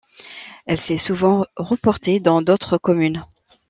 Elle s'est souvent reportée dans d'autres communes.